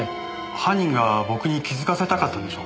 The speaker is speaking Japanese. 犯人が僕に気づかせたかったのでしょう。